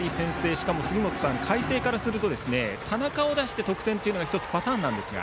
しかも杉本さん、海星からすると田中を出して得点というのが１つパターンですが。